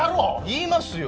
言いますよ！